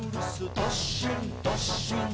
どっしんどっしん」